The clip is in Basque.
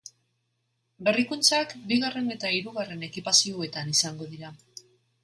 Berrikuntzak bigarren eta hirugarren ekipazioetan izango dira.